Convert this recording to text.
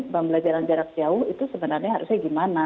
pembelajaran jarak jauh itu sebenarnya harusnya gimana